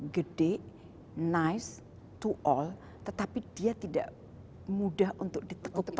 gede nice to all tetapi dia tidak mudah untuk ditekutkan